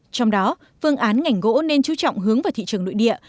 trong đó phương án ngành gỗ nên chú trọng hướng vào thị trường nội địa